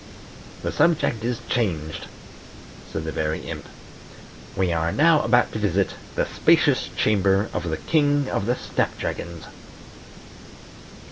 "The subject is changed," said the Very Imp. "We are now about to visit the spacious chamber of the King of the Snap dragons."